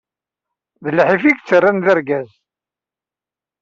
D lḥif i yettaran d argaz!